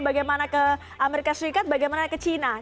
bagaimana ke amerika serikat bagaimana ke china